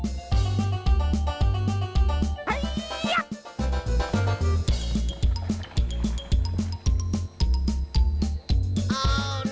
เฮ้ย